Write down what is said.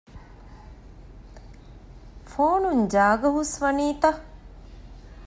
ފޯނުން ޖާގަ ހުސްވަނީތަ؟